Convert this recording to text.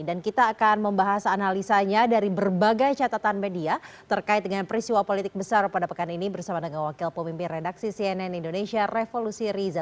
dan kita akan membahas analisanya dari berbagai catatan media terkait dengan perisiwa politik besar pada pekan ini bersama dengan wakil pemimpin redaksi cnn indonesia revolusi riza